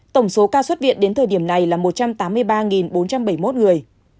tổng số ca xuất viện đến thời điểm này là một trăm tám mươi ba bốn trăm bảy mươi một người